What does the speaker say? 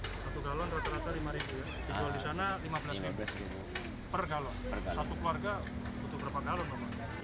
per galon satu keluarga butuh berapa galon